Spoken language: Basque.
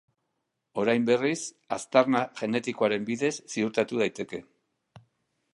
Orain berriz aztarna-genetikoaren bidez ziurtatu daiteke.